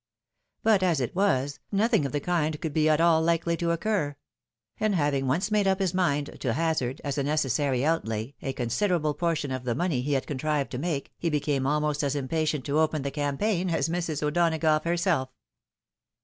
But, as it was, nothing of the kind could be at all Kkely to occur ; and having once made up his mind to hazard, as a necessary outlay, a con siderable portion of the money he had contrived to make, he F 2 84 THE WIDOW MARRIED. became almost as impatient to open the campaign as Mrs. O'Donagough herself.